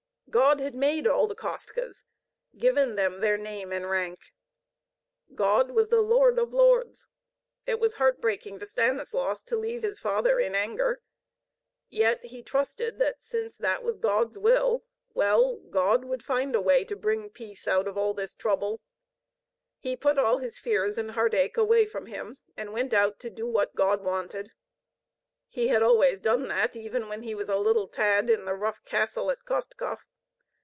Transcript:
God had made all the Kostkas, given them name and rank. God was the Lord of Lords. It was heart breaking to Stanislaus to leave his father in anger. Yet he trusted that since that was God's will well, God would find a way to bring peace out of all this trouble. He put all his fears and heartache away from him, and went out to do what God wanted. He had always done that, even when he was a little tad in the rough castle at Kostkov.